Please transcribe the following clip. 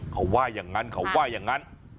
เขาไหว้อย่างนั้นเขาไหว้อย่างนั้น